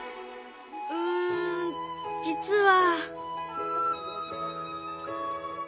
うん実は。